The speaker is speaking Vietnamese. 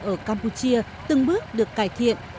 ở campuchia từng bước được cải thiện